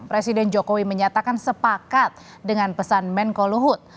presiden jokowi menyatakan sepakat dengan pesan menko luhut